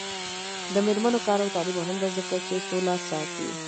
د میرمنو کار او تعلیم مهم دی ځکه چې سوله ساتي.